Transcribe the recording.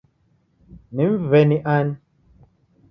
Ni mweni ani?